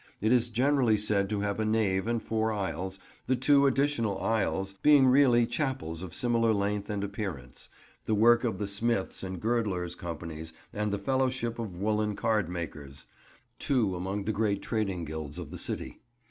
It is generally said to have a nave and four aisles, the two additional "aisles" being really chapels of similar length and appearance: the work of the Smiths' and Girdlers' Companies and the Fellowship of Woollen Cardmakers; two among the great trading guilds of the city.